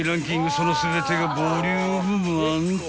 その全てがボリューム満点］